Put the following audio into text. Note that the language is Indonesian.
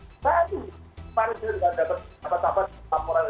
pada saat itu kita dapat dapat dapat pembahasan di lapangan